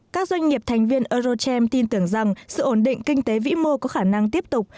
các doanh nghiệp thành viên eurocharm tin tưởng rằng sự ổn định kinh tế vĩ mô có khả năng tiếp tục